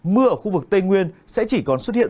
mưa ở khu vực tây nguyên sẽ chỉ còn xuất hiện